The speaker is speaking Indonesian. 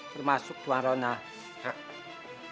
termasuk tuan ronald